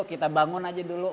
kita bangun aja dulu